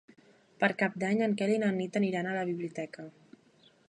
Per Cap d'Any en Quel i na Nit aniran a la biblioteca.